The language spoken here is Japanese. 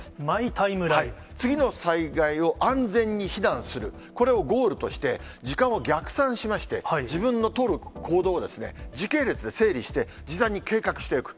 次の災害を避難する、これをゴールとして、時間を逆算しまして、自分の取る行動をですね、時系列で整理して、事前に計画していく。